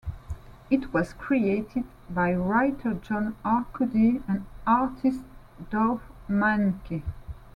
It was created by writer John Arcudi and artist Doug Mahnke.